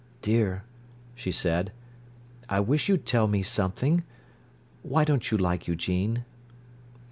"Dear," she said, "I wish you'd tell me something: Why don't you like Eugene?"